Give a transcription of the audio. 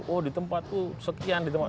oh di tempat itu sekian